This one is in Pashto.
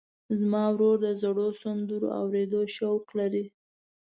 زما ورور د زړو سندرو اورېدو شوق لري.